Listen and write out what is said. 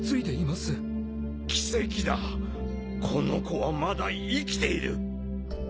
淵譽ぅ澄次法奇跡だこの子はまだ生きている。